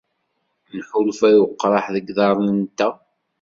Nḥulfa i weqraḥ deg yiḍarren-nteɣ.